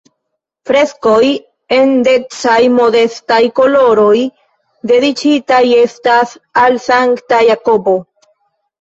Freskoj en decaj-modestaj koloroj dediĉitaj estas al Sankta Jakobo.